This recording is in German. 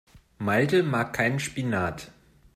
Malte mag keinen Spinat.